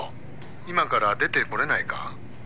今から出て来れないか？